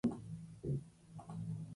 El asesino iba disfrazado como un derviche.